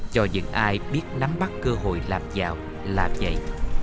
cho những ai biết nắm bắt cơ hội làm dạo làm dậy